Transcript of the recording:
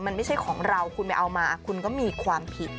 มันไม่ใช่ของเราคุณไปเอามาคุณก็มีความผิด